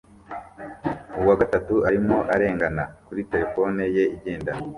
uwa gatatu arimo arengana kuri terefone ye igendanwa